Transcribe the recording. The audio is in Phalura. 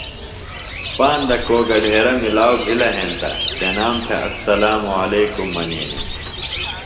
پاندہ کو گڈھیرہ ملاؤ بِھلہ ہینتہ تنام تھےۡ اسلام علیکُم منینِم۔